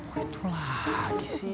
wah itu lagi sih